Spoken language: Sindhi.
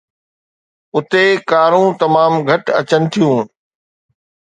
اتي ڪارون تمام گهٽ اچن ٿيون.